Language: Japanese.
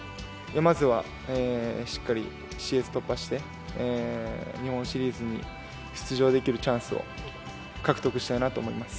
まずはしっかりＣＳ突破して日本シリーズに出場できるチャンスを獲得したいなと思います。